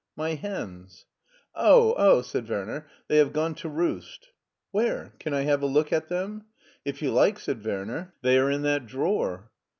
My hens/' Oh ! oh !'' said Werner, " they have gone to roost" " Where ? Can I have a look at them ?" "If you like,*' said Werner; "they arc in that drawer."